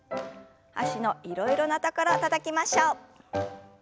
脚のいろいろなところたたきましょう。